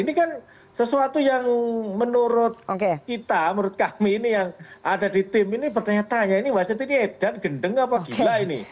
ini kan sesuatu yang menurut kita menurut kami ini yang ada di tim ini bertanya tanya ini wasit ini edan gendeng apa gula ini